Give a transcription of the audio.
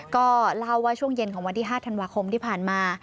ก็เล่าว่าช่วงเย็นของวันที่๕ธันวาคมที่ผ่านมา